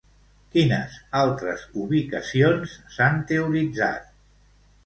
Quines altres ubicacions s'han teoritzat?